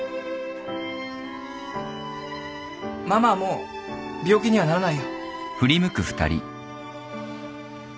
ママはもう病気にはならないよ。